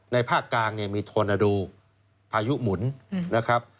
ในภาคกลางมีทวนดูภายุหมุน